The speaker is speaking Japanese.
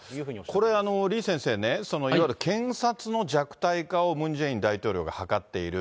これ、李先生ね、いわゆる検察の弱体化をムン・ジェイン大統領が図っている。